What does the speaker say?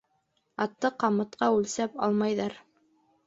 Атты ҡамытҡа үлсәп алмайҙар